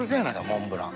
モンブラン。